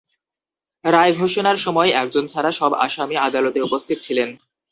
রায় ঘোষণার সময় একজন ছাড়া সব আসামি আদালতে উপস্থিত ছিলেন।